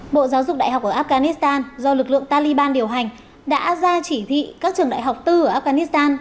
bộ giáo dục đại học ở afghanistan do lực lượng taliban điều hành đã ra chỉ thị các trường đại học tư ở afghanistan